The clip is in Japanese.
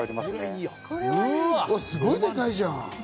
すごいでかいじゃん！